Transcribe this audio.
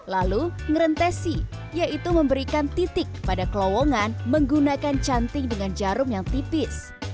lalu ngerentesi yaitu memberikan titik pada kelowongan menggunakan canting dengan jarum yang tipis